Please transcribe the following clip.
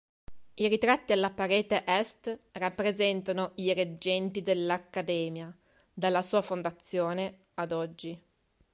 I ritratti alla parete est rappresentano i reggenti dell'Accademia, dalla sua fondazione ad oggi.